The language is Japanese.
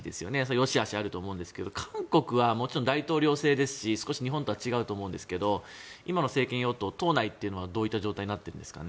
よしあしあると思うんですけど韓国はもちろん大統領制ですし少し日本とは違うと思いますが今の政権与党党内というのはどういった状態になってるんですかね。